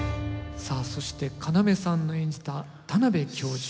さあそして要さんの演じた田邊教授。